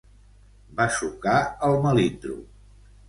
Va sucar el melindro